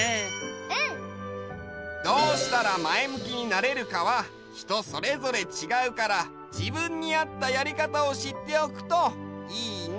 うん！どうしたらまえむきになれるかはひとそれぞれちがうからじぶんにあったやりかたをしっておくといいね！